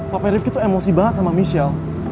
papa rifki tuh emosi banget sama michelle